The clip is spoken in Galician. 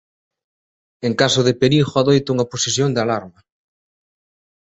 En caso de perigo adoita unha posición de alarma.